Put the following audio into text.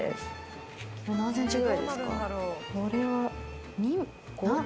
何ｃｍくらいですか？